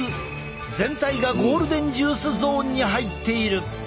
全体がゴールデンジュースゾーンに入っている。